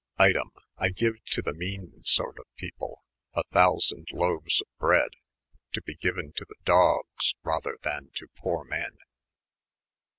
Item, I geue to the meane sorte of people, a M, loaues of bread, to be genen to the dogg^, rather then to poore men.